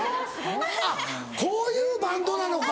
あっこういうバンドなのか。